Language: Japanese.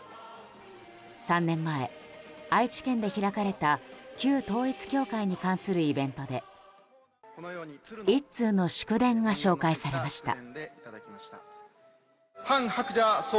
３年前、愛知県で開かれた旧統一教会に関するイベントで１通の祝電が紹介されました。